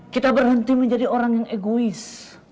kita berhenti menjadi orang yang egois